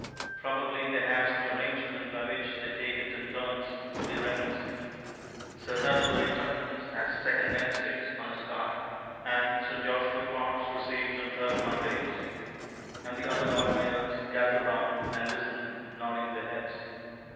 Probably they have some arrangement by which they take it in turns to be reminiscent; Sir Tuttlebury Tupkins has "and Wednesdays" on his card, and Sir Joshua Potts receives on "3rd Mondays"; and the other Lord Mayors gather round and listen, nodding their heads.